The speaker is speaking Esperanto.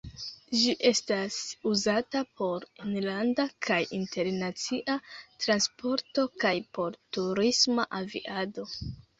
Ĝi estas uzata por enlanda kaj internacia transporto kaj por turisma aviado.